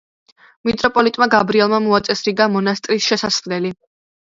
მიტროპოლიტმა გაბრიელმა მოაწესრიგა მონასტრის შესასვლელი.